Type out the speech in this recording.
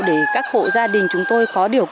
để các hộ gia đình chúng tôi có được